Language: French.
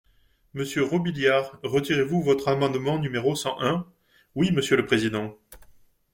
Monsieur Robiliard, retirez-vous votre amendement numéro cent un ? Oui, monsieur le président.